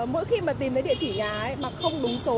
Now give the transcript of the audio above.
mỗi khi tìm đến địa chỉ nhà mà không đúng số